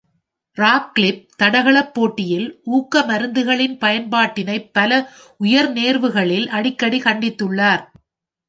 Radcliffe தடகளப் போட்டியில் ஊக்க மருந்துகளின் பயன்பாட்டினைப் பல உயர் நேர்வுகளில் அடிக்கடி கண்டித்துள்ளார்.